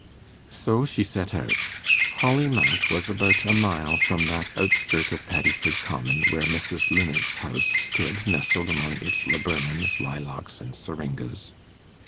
So she set out. Holly Mount was about a mile from that outskirt of Paddiford Common where Mrs. Linnet's house stood nestled among its laburnums, lilacs, and syringas.